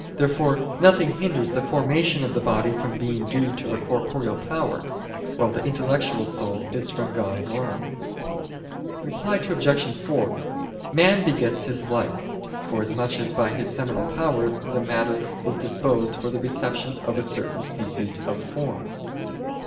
Therefore nothing hinders the formation of the body from being due to a corporeal power, while the intellectual soul is from God alone. Reply Obj. 4: Man begets his like, forasmuch as by his seminal power the matter is disposed for the reception of a certain species of form.